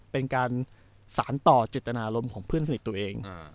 เป็นการสารต่อเจตนารมณ์ของเพื่อนสนิทตัวเอง